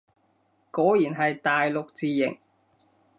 果然係大陸字形